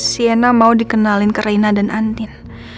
sienna mau dikenalin ke reina dan andin